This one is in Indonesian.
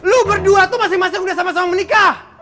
lo berdua tuh masih masih udah sama sama menikah